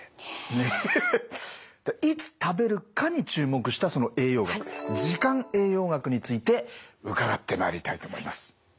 いつ食べるかに注目したその栄養学時間栄養学について伺ってまいりたいと思います。